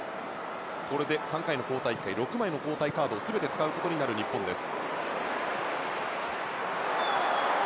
これで３回の交代機会６枚の交代カードを全て使うことになります。